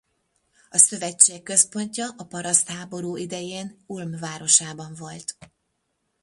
A szövetség központja a parasztháború idején Ulm városában volt.